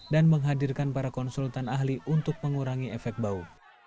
dan menghadirkan para konsultan ahli untuk mengurangi efek bau